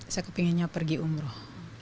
saya kepengennya pergi umroh